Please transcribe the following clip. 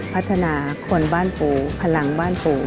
พัฒนาคนบ้านปู่พลังบ้านปู่